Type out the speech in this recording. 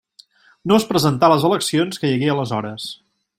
No es presentà a les eleccions que hi hagué aleshores.